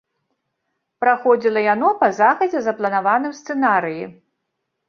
Праходзіла яно па загадзя запланаваным сцэнарыі.